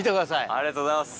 ありがとうございます。